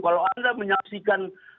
kalau anda menyaksikan